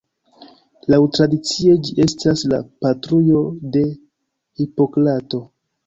Laŭtradicie ĝi estas la patrujo de Hipokrato.